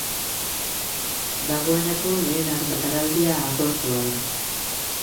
Dagoeneko lehen argitaraldia agortua da.